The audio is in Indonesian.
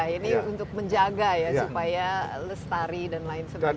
ini untuk menjaga ya supaya lestari dan lain sebagainya